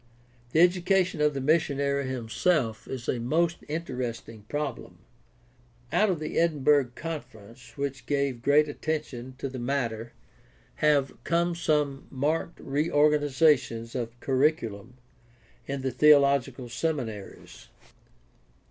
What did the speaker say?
The education of the missionary himself is a most interest ing problem. Out of the Edinburgh Conference, which gave great attention to the matter, have come some marked reorganizations of curriculum in the theological seminaries.